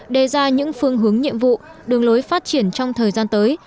đề ra những phương hướng nhiệm vụ đường lối phát triển trong thời gian tới